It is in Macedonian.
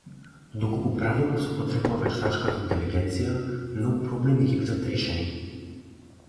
Доколку правилно се употребува вештачката интелегенција, многу проблеми ќе бидат решени.